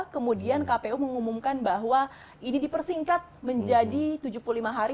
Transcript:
kemudian kpu mengumumkan bahwa ini dipersingkat menjadi tujuh puluh lima hari